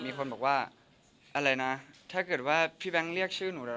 มีคนบอกว่าอะไรนะถ้าเกิดว่าพี่แบงค์เรียกชื่อหนูแล้ว